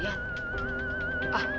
apa gue gak salah lihat